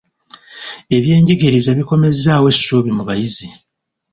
Ebyenjigiriza bikomezzaawo essuubi mu bayizi.